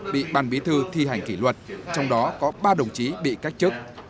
bị ban bí thư thi hành kỷ luật trong đó có ba đồng chí bị cách chức